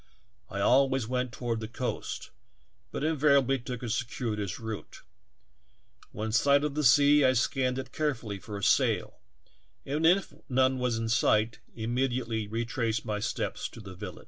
I always went toward the coast, but invariably took a cir cuitous route ; when in sight of the sea I scanned it carefully for a sail, and if none was in sight, immediately retraced my steps to the village.